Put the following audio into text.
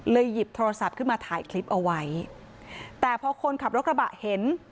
หยิบโทรศัพท์ขึ้นมาถ่ายคลิปเอาไว้แต่พอคนขับรถกระบะเห็น